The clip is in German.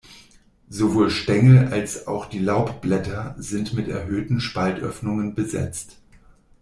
Sowohl Stängel als auch die Laubblätter sind mit erhöhten Spaltöffnungen besetzt.